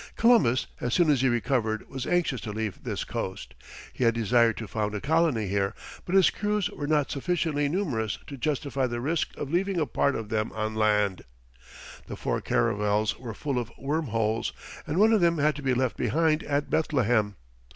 '" Columbus, as soon as he recovered, was anxious to leave this coast. He had desired to found a colony here, but his crews were not sufficiently numerous to justify the risk of leaving a part of them on land. The four caravels were full of worm holes, and one of them had to be left behind at Bethlehem.